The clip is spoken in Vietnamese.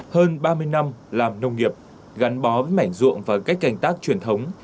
hơn ba mươi năm làm nông nghiệp gắn bó với mảnh ruộng và cách canh tác truyền thống